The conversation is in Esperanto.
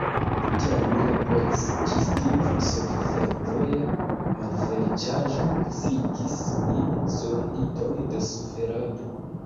Tial mi laboris, ĝis tiu surfervoja malfeliĉaĵo kuŝigis min sur liton de suferado.